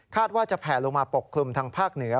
ว่าจะแผลลงมาปกคลุมทางภาคเหนือ